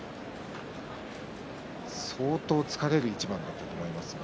相当疲れる一番だったと思います。